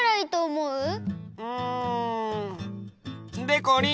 うんでこりん！